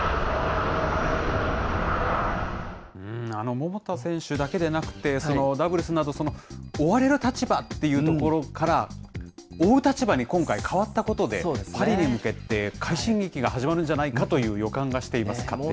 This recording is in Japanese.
桃田選手だけでなくて、ダブルスなど、追われる立場っていうところから、追う立場に今回変わったことで、パリに向けて、快進撃が始まるんじゃないかっていう予感がしています、勝手に。